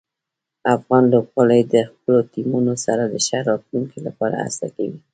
افغان لوبغاړي د خپلو ټیمونو سره د ښه راتلونکي لپاره هڅه کوي.